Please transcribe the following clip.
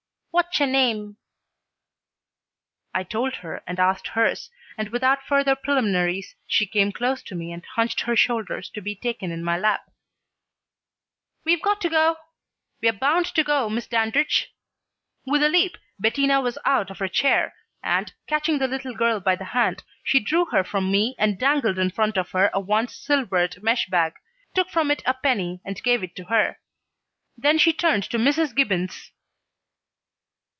"Whatcha name?" I told her and asked hers, and without further preliminaries she came close to me and hunched her shoulders to be taken in my lap. "We've got to go we're bound to go, Miss Dandridge!" With a leap Bettina was out of her chair, and, catching the little girl by the hand, she drew her from me and dangled in front of her a once silvered mesh bag, took from it a penny, and gave it to her; then she turned to Mrs. Gibbons.